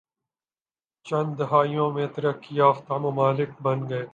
چند دہائیوں میں ترقی یافتہ ممالک بن گئے